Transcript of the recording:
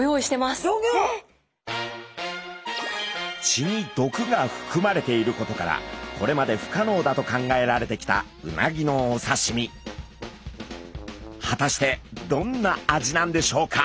血に毒がふくまれていることからこれまで不可能だと考えられてきた果たしてどんな味なんでしょうか？